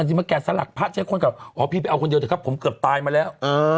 อ๋อพี่ไปเอาคนเดียวเดี๋ยวครับผมเกือบตายมาแล้ว